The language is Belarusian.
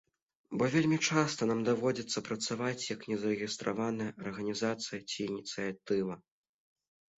Бо вельмі часта нам даводзіцца працаваць як незарэгістраваная арганізацыя ці ініцыятыва.